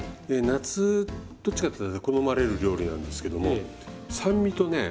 夏どっちかっていうと好まれる料理なんですけども酸味とね